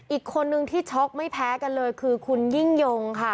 อีกคนนึงที่ช็อกไม่แพ้กันเลยคือคุณยิ่งยงค่ะ